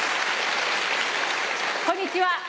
こんにちは。